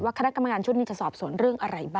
คณะกรรมการชุดนี้จะสอบสวนเรื่องอะไรบ้าง